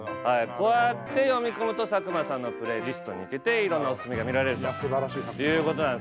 こうやって読み込むと佐久間さんのプレイリストにいけていろんなオススメが見られるということなんですね。